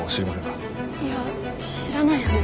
いや知らないよね？